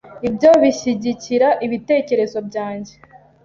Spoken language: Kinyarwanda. Ibyo bishyigikira ibitekerezo byanjye .